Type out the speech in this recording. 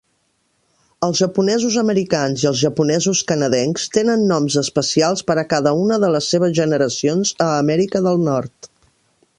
Els japonesos americans i els japonesos canadencs tenen noms especials per a cada una de les seves generacions a Amèrica del Nord.